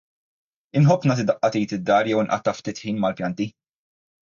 Inħobb nagħti daqqa t'id id-dar jew nqatta' ftit ħin mal-pjanti.